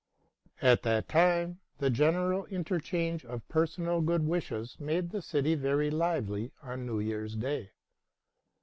At that time the general interchange of personal good wishes made the city very lively on New Year's Day.